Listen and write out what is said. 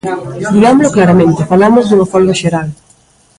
Digámolo claramente, falamos dunha folga xeral.